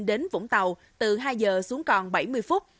đến vũng tàu từ hai giờ xuống còn bảy mươi phút